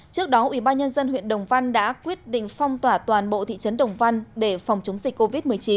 trước đó ubnd huyện đồng văn đã quyết định phong tỏa toàn bộ thị trấn đồng văn để phòng chống dịch covid một mươi chín